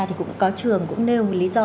thì cũng có trường cũng nêu lý do